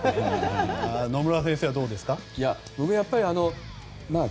野村先生はどうですか？